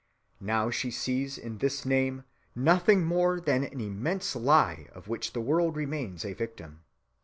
Now she sees in this name nothing more than an immense lie of which the world remains a victim.